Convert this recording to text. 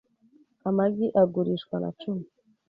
Amagi agurishwa na cumi .